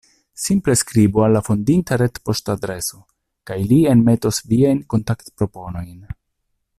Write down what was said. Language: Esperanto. Simple skribu al la fondinta retpoŝtadreso, kaj li enmetos viajn kontaktproponojn.